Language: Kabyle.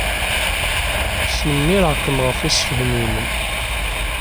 Snemmireɣ-kem ɣef ussefhem-inem.